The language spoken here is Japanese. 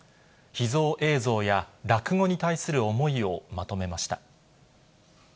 秘蔵映像や落語に対する思いをまとめました。